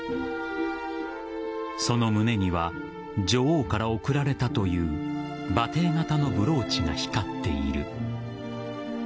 その胸には女王から贈られたという馬蹄形のブローチが光っている。